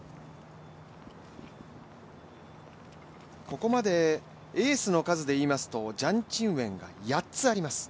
ここまでエースの数で言いますとジャン・チンウェンが８つあります。